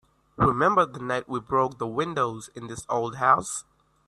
Remember the night we broke the windows in this old house?